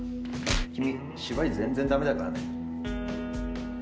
君芝居全然駄目だからね。